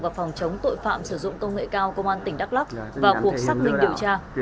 và phòng chống tội phạm sử dụng công nghệ cao công an tỉnh đắk lắc vào cuộc xác minh điều tra